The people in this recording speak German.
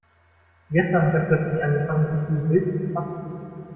Gestern hat er plötzlich angefangen, sich wie wild zu kratzen.